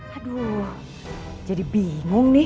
aduh jadi bingung nih